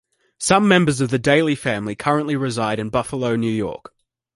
Some members of the Daley family currently reside in Buffalo, New York.